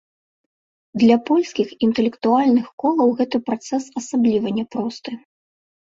Для польскіх інтэлектуальных колаў гэты працэс асабліва няпросты.